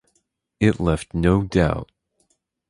It left no doubt.